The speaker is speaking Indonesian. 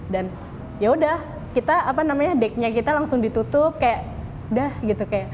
dan yaudah kita decknya kita langsung ditutup kayak dah gitu